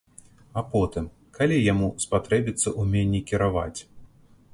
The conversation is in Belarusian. А потым, калі яму спатрэбіцца ўменне кіраваць?